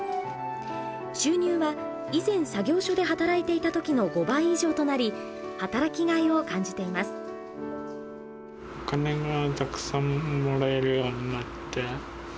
収入は以前作業所で働いていた時の５倍以上となり働きがいを感じています。